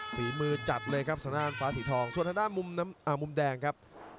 ฝีมือจัดเลยครับสถานฝ้าสีทองส่วนธนามมุมแดงครับ